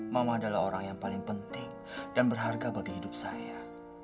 mama adalah orang yang paling penting dan berharga bagi hidup saya